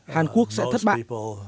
hàn quốc sẽ thất bại